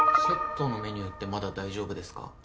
セットのメニューってまだ大丈夫ですか？